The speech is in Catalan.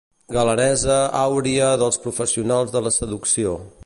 Galanesa àuria dels professionals de la seducció.